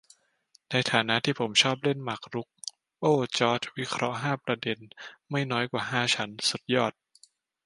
"ในฐานะที่ผมชอบเล่นหมากรุก" ! โอ้ว จอร์จ วิเคราะห์ห้าประเด็น ไม่น้อยกว่าห้าชั้น สุดยอด !